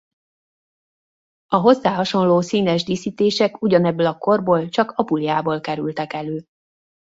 A hozzá hasonló színes díszítések ugyanebből a korból csak Apuliából kerültek elő.